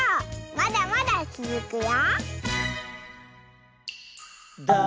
まだまだつづくよ！